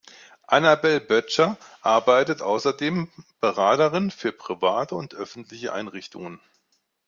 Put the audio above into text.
Annabelle Böttcher arbeitet außerdem Beraterin für private und öffentliche Einrichtungen.